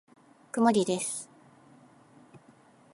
曇りです。